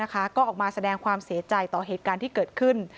ก็ออกมาแสดงความเสียใจต่อเหตุการณ์ที่เกิดขึ้น